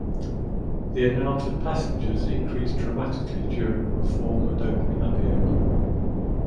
The amount of passengers increased dramatically during the reform and opening up era.